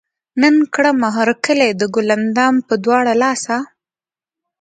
نن کړمه هر کلے د ګل اندام پۀ دواړه لاسه